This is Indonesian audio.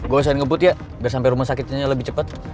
gue usahain ngebut ya biar sampai rumah sakitnya lebih cepet